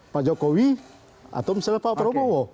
pak jokowi atau misalnya pak prabowo